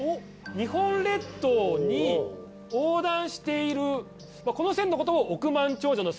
日本列島に横断しているこの線のことを億万長者の線。